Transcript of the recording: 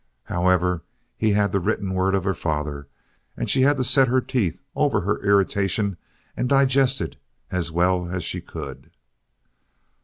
However, he had the written word of her father, and she had to set her teeth over her irritation and digest it as well as she could.